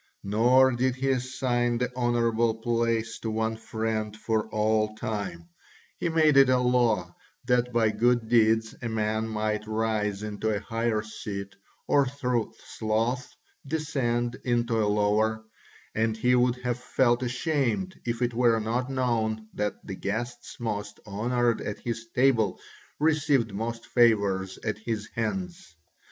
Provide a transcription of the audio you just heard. Nor did he assign the honourable place to one friend for all time; he made it a law that by good deeds a man might rise into a higher seat or through sloth descend into a lower; and he would have felt ashamed if it were not known that the guest most honoured at his table received most favours at his hands.